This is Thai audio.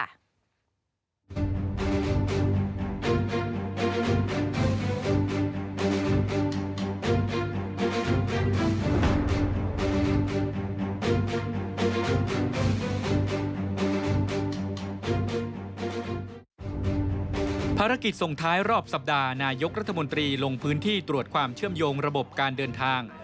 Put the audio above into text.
ภารกิจส่งท้ายรอบสัปดาห์นายกรัฐมนตรีลงพื้นที่ตรวจความเชื่อมโยงระบบการเดินทาง